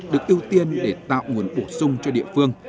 được ưu tiên để tạo nguồn bổ sung cho địa phương